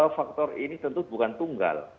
faktor ini tentu bukan tunggal